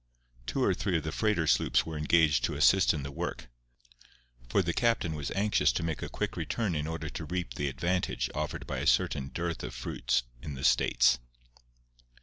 Two or three of the freighter sloops were engaged to assist in the work, for the captain was anxious to make a quick return in order to reap the advantage offered by a certain dearth of fruit in the States.